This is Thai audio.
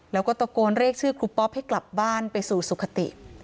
แล้วก็ตะโกนเรียกชื่อครูปอปให้กลับบ้านไปสู่สุขติ